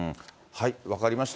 分かりました。